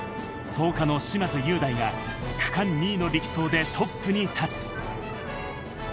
創価の嶋津雄大が区間２位の力走でトップに立つ。